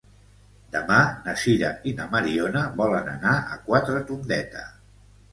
Demà na Sira i na Mariona volen anar a Quatretondeta.